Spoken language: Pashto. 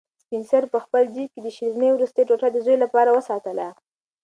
سپین سرې په خپل جېب کې د شیرني وروستۍ ټوټه د زوی لپاره وساتله.